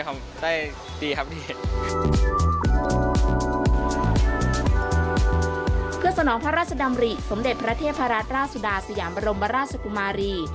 เขาบอกว่าจะมี